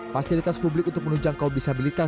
fasilitas publik untuk menunjang kaum disabilitas